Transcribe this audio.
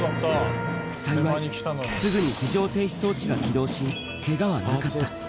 幸い、すぐに非常停止装置が起動し、けがはなかった。